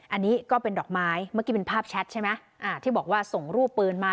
อันนี้ก็เป็นดอกไม้เมื่อกี้เป็นภาพแชทใช่ไหมอ่าที่บอกว่าส่งรูปปืนมา